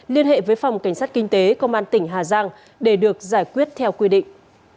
liên hệ với phòng cảnh sát kinh tế công an tỉnh hà giang để được giải quyết theo quy định